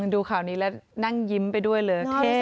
ดูข่าวนี้แล้วนั่งยิ้มไปด้วยเลย